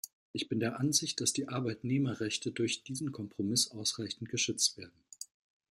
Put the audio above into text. Ich bin der Ansicht, dass die Arbeitnehmerrechte durch diesen Kompromiss ausreichend geschützt werden.